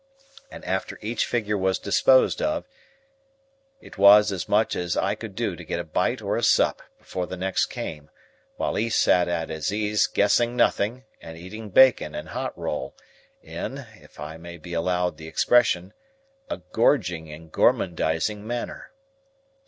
And after each figure was disposed of, it was as much as I could do to get a bite or a sup, before the next came; while he sat at his ease guessing nothing, and eating bacon and hot roll, in (if I may be allowed the expression) a gorging and gormandizing manner.